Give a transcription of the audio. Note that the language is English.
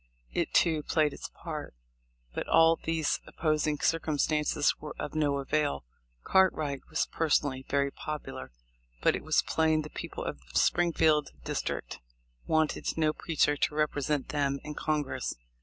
It, too, played its part ; but all these opposing circumstances were of no avail. Cartwright was personally very popu lar, but it was plain the people of the Springfield district wanted no preacher to represent them in Congress.